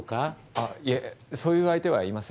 あっいえそういう相手はいません。